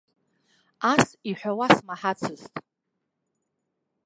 Ас иҳәауа смаҳацызт.